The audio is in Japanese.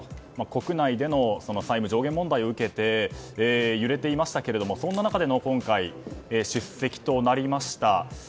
国内での債務上限問題を受けて揺れていましたけれどもそんな中での出席となりました。